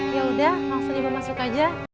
ya udah langsung dibawa masuk aja